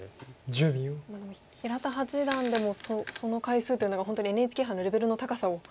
でも平田八段でもその回数というのが本当にＮＨＫ杯のレベルの高さを。